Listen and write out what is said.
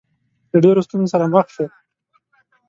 له ډېرو ستونزو سره مخ شو.